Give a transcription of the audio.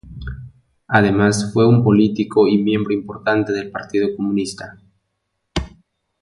Además fue un político y miembro importante del Partido Comunista.